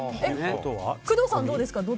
工藤さんどうですか？